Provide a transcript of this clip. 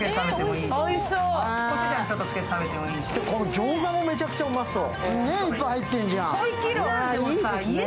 ギョーザもめちゃくちゃうまそう。